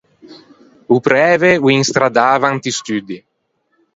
O præve o î instraddava inti studdi.